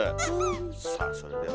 さあそれでは。